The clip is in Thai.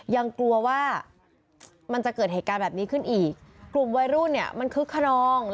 มาจะเกิดเหตุการณ์แบบนี้ขึ้นอีกกลุ่มวัยรุ่นมันคุกคนนอง